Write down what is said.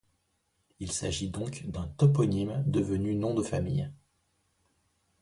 Il s'agit donc d'un toponyme devenu nom de famille.